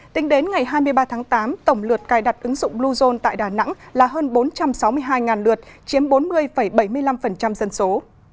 tính đến ngày hai mươi ba tháng tám tổng lượt cài đặt ứng dụng bluezone tại đà nẵng là hơn bốn trăm sáu mươi hai lượt chiếm bốn mươi bảy mươi năm dân số